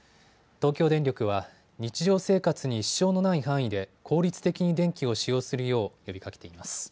東京電力は日常生活に支障のない範囲で効率的に電気を使用するよう呼びかけています。